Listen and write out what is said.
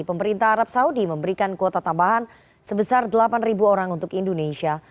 pemerintah arab saudi memberikan kuota tambahan sebesar delapan orang untuk indonesia